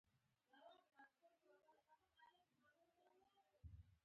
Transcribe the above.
که موږ دا ټول شیان نه درلودل ستونزه نه وه